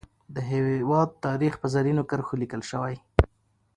د هیواد تاریخ په زرینو کرښو لیکل شوی.